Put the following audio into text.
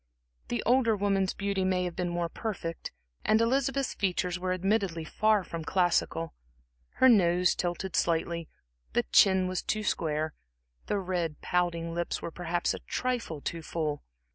The older woman's beauty may have been more perfect. Elizabeth's features were admittedly far from classical. Her nose tilted slightly, the chin was too square, the red, pouting lips were perhaps a trifle too full.